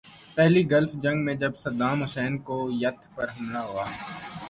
پہلی گلف جنگ میں جب صدام حسین نے کویت پہ حملہ کیا تھا۔